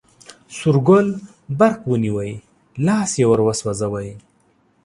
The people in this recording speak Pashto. سور ګل برق ونیوی، لاس یې وروسوځوی.